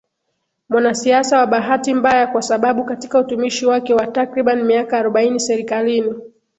mwanasiasa wa bahati mbaya kwa sababu katika utumishi wake wa takribani miaka arobaini serikalini